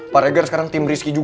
pak reger sekarang tim rizky juga